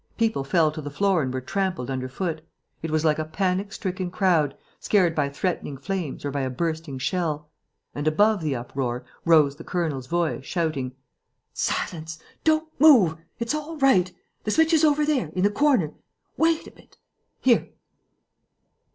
People fell to the floor and were trampled under foot. It was like a panic stricken crowd, scared by threatening flames or by a bursting shell. And, above the uproar, rose the colonel's voice, shouting: "Silence!... Don't move!... It's all right!... The switch is over there, in the corner.... Wait a bit.... Here!"